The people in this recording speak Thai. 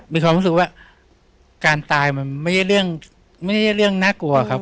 มีความรู้สึกว่าการตายมันไม่ได้เรื่องน่ากลัวครับ